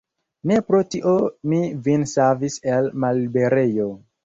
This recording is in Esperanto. Ne pro tio mi vin savis el malliberejo.